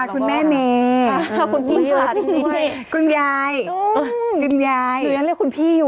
คุณแม่เนคุณพี่หลานด้วยคุณยายจุนยายหรือยังเรียกคุณพี่อยู่